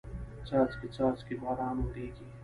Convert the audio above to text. څاڅکي څاڅکي باران وریږي